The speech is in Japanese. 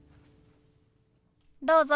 どうぞ。